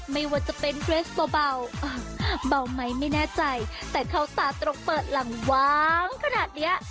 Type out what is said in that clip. ไม่ว่าจะเป็นเกรสเบาไหมไม่แน่ใจแต่เข้าตาตรงเปิดหลังว้างขนาดเนี้ย